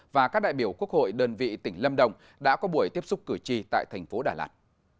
và các đại biểu quốc hội đơn vị tỉnh lâm đồng đã có buổi tiếp xúc cử tri tại thành phố đà lạt